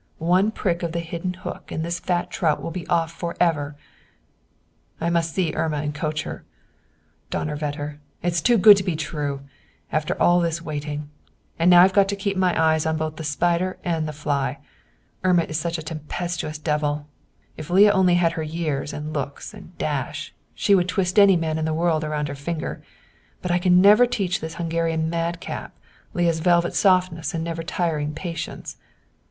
One prick of the hidden hook and this fat trout would be off forever I must see Irma and coach her. Donnerwetter! It's too good to be true. After all this waiting. And now I've got to keep my eyes on both the spider and the fly. Irma is such a tempestuous devil. If Leah only had her years and looks and dash, she would twist any man in the world around her finger. But I can never teach this Hungarian madcap, Leah's velvet softness and never tiring patience."